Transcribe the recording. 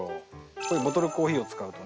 こういうボトルコーヒーを使うとね